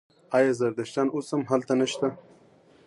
آیا زردشتیان اوس هم هلته نشته؟